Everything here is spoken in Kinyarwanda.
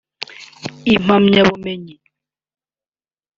Impamyabumenyi